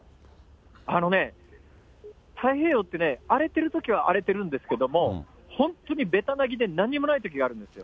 あのね、太平洋ってね、荒れてるときは荒れてるんですけども、本当にべたなぎでなんにもないときがあるんですよ。